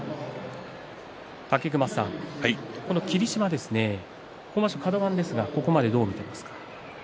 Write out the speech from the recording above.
武隈さん、この霧島今場所カド番ですがここまでどう見ていますか。